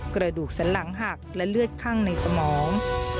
กระดูกสันหลังหักและเลือดข้างในสมอง